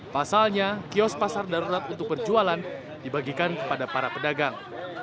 pasalnya kios pasar darurat untuk berjualan dibagikan kepada para pedagang